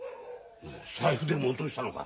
財布でも落としたのか？